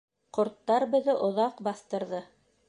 Ҡорттар беҙҙе оҙаҡ баҫтырҙы.